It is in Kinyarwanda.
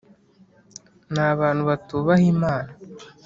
ni abantu batubaha imana